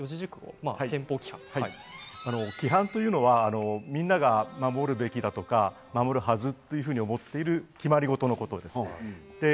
規範というのはみんなが守るべきだとか守るはずというふうに思っている決まり事のことです。